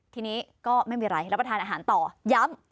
ทีนี้ก็ไม่มีอะไรรับประทานอาหารต่อย้ำ